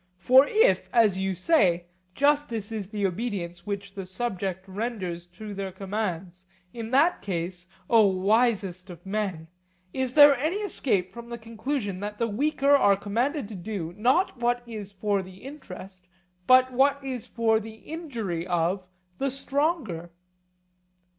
For if, as you say, justice is the obedience which the subject renders to their commands, in that case, O wisest of men, is there any escape from the conclusion that the weaker are commanded to do, not what is for the interest, but what is for the injury of the stronger?